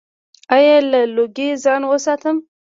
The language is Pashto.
ایا له لوګي ځان وساتم؟